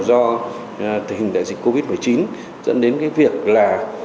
do tình hình đại dịch covid một mươi chín dẫn đến cái việc là